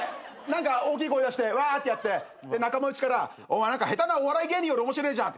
何か大きい声出してわってやって仲間内から「お前下手なお笑い芸人より面白えじゃん」